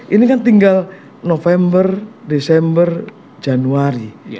ini kan tinggal november desember januari